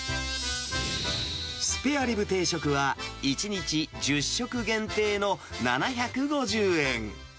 スペアリブ定食は、１日１０食限定の７５０円。